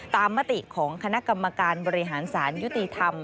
มติของคณะกรรมการบริหารสารยุติธรรม